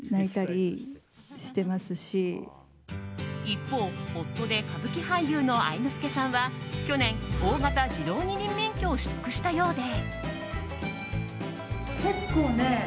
一方、夫で歌舞伎俳優の愛之助さんは去年、大型自動二輪免許を取得したそうで。